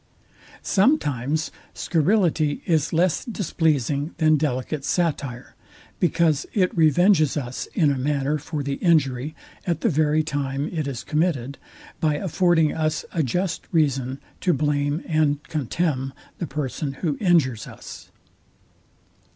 Sometimes scurrility is less displeasing than delicate satire, because it revenges us in a manner for the injury at the very time it is committed, by affording us a just reason to blame and contemn the person, who injures us.